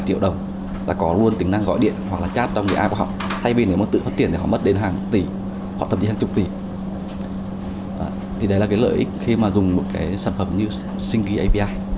thì đấy là lợi ích khi mà dùng một sản phẩm như stringy api